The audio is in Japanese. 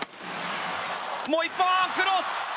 もう１本、クロス！